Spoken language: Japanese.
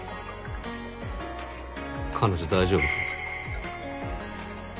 彼女大丈夫？